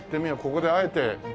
ここであえて。